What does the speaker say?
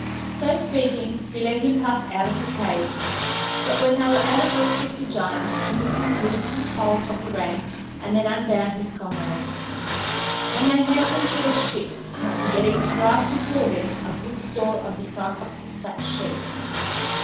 So speaking, he let him pass out of the cave. But when they were out of reach of the giant, Ulysses loosed his hold of the ram and then unbound his comrades. And they hastened to their ship, not forgetting to drive before them a good store of the Cyclops' fat sheep.